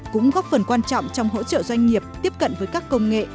cũng góp phần quan trọng trong hỗ trợ doanh nghiệp tiếp cận với các công nghệ